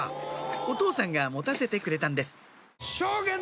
お父さんが持たせてくれたんです